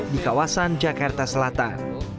di kawasan jakarta selatan